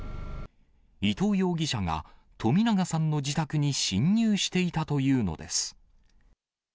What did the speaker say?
伊藤容疑者が、冨永さんの自宅に侵入していたというのです。